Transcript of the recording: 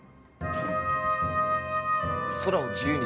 空を自由に。